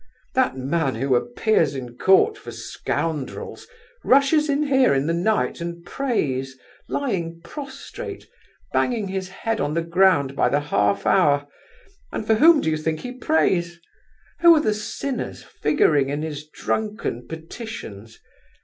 That man who appears in court for scoundrels, rushes in here in the night and prays, lying prostrate, banging his head on the ground by the half hour—and for whom do you think he prays? Who are the sinners figuring in his drunken petitions?